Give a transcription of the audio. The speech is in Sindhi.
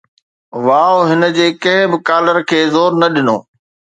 واءُ هن جي ڪنهن به ڪالر کي زور نه ڏنو